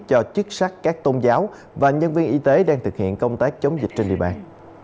cho chức sắc các tôn giáo và nhân viên y tế đang thực hiện công tác chống dịch trên địa bàn